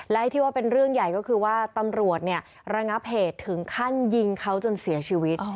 และที่ว่าเป็นเรื่องใหญ่ก็คือว่าตำรวจระงับเหตุถึงขั้นยิงเขาจนเสียชีวิต